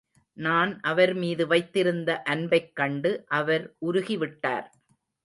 நான் அவர்மீது வைத்திருந்த அன்பைக் கண்டு அவர் உருகிவிட்டார்.